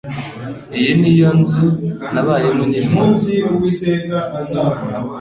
Iyi niyo nzu nabayemo nkiri muto.